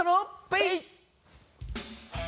“ペイ”。